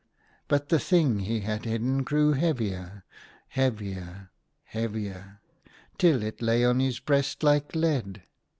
But the thing he had hidden grew heavier, heavier, heavier — till it lay on his breast like lead.